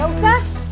seriously siapa sih